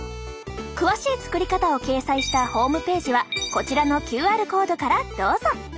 詳しい作り方を掲載したホームページはこちらのＱＲコードからどうぞ！